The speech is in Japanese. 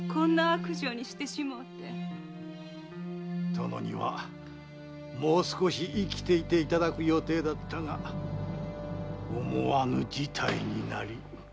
殿にはもう少し生きていていただく予定だったが思わぬ事態になり。